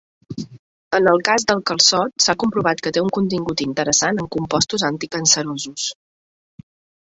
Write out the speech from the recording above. En el cas del calçot s'ha comprovat que té un contingut interessant en compostos anticancerosos.